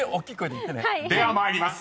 ［では参ります。